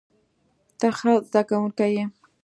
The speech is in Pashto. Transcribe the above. ته ښه زده کوونکی یې.